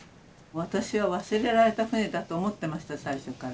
私は忘れられた船だと思ってました最初から。